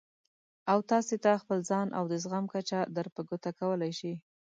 او تاسې ته خپل ځان او د زغم کچه در په ګوته کولای شي.